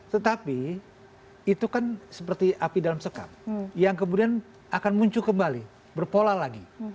tetapi itu kan seperti api dalam sekam yang kemudian akan muncul kembali berpola lagi